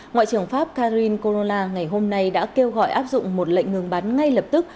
ngoại trưởng pháp karine colora ngày hôm nay đã kêu gọi áp dụng một lệnh ngừng bắn ngay lập tức